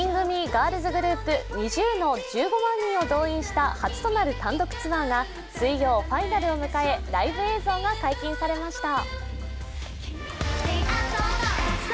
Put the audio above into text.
ガールズグループＮｉｚｉＵの１５万人を動員した初となる単独ツアーが水曜、ファイナルを迎え、ライブ映像が解禁されました。